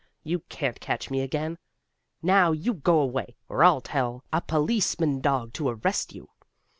You can't catch me again. Now you go away, or I'll tell a policeman dog to arrest you."